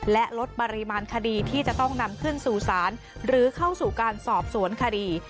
และลดปริมาณคดีที่จะต้องนำขึ้นสู่ศาลหรือเข้าสู่การสอบสวนคดี